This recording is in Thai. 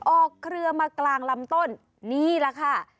เครือมากลางลำต้นนี่แหละค่ะ